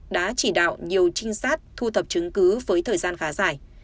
đã chỉ đạo nhiều trinh sát thu thập chứng cứ với thời gian khá dài